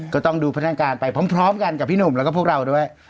ก็ต้องดูพนักงานไปพร้อมกันกับพี่หนุ่มแล้วก็พวกเราด้วย